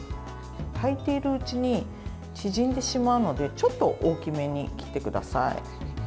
炊いているうちに縮んでしまうのでちょっと大きめに切ってください。